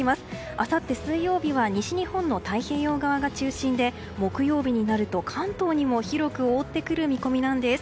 あさって水曜日は西日本の太平洋側が中心で木曜日になると関東にも広く覆ってくる見込みなんです。